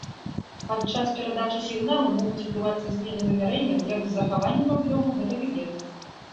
Падчас перадачы сігналу могуць адбывацца змены вымярэнняў як з захаваннем аб'ёму, гэтак і без.